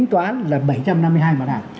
giai đoạn là bảy trăm năm mươi hai mặt hàng